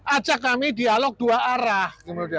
ajak kami dialog dua arah